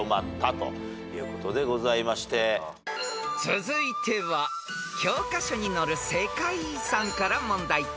［続いては教科書に載る世界遺産から問題］